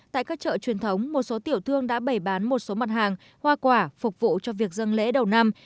tại các chợ truyền thống một số tiểu thương đã bày bán một số mặt hàng hoa quả phục vụ cho việc dân lễ đầu năm